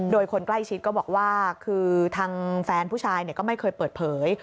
โดยคนใกล้ชิดก็บอกว่าคือทางแฟนผู้ชายก็ไม่เคยเปิดเผย